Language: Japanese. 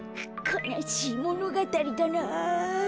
かなしいものがたりだなぁ。